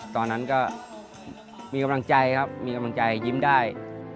ตอนนั้นก็มีกำลังใจครับมีกำลังใจยิ้มได้